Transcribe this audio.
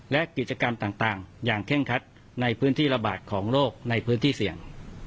และกิจกรรมต่างอย่างเคร่งคัดในพื้นที่ระบาดของโลกในพื้นที่เสี่ยง